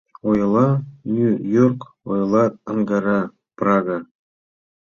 Ойла Нью-Йорк, ойлат Ангара, Прага